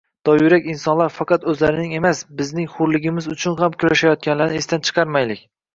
Dovyurak insonlar faqat o‘zlarining emas, bizning hurligimiz uchun ham kurashayotganlarini esdan chiqarmaylik